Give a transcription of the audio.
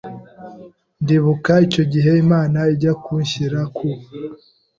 Ndibuka icyo gihe Imana ijya kunshyira ku